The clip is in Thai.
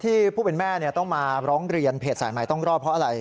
ผู้เป็นแม่ต้องมาร้องเรียนเพจสายใหม่ต้องรอดเพราะอะไร